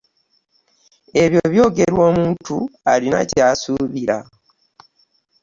Ebyo byogerwa omuntu alina ky'asubira .